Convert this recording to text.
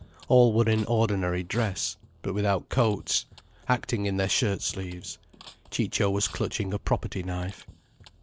All were in ordinary dress, but without coats, acting in their shirt sleeves. Ciccio was clutching a property knife.